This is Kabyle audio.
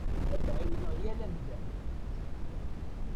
Ad ɛiwneɣ yal amdan.